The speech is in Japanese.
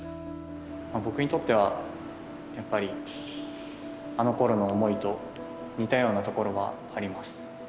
僕にとっては、やっぱりあのころの想いと似たようなところはあります。